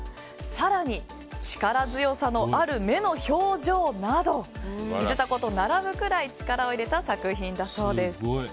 更に力強さのある目の表情など「海蛸子」と並ぶくらい力を入れた作品だそうです。